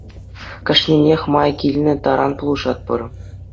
Кашнинех май килнӗ таран пулӑшатпӑр.